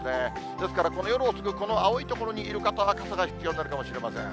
ですから、この夜遅く、この青い所にいる方は、傘が必要になるかもしれません。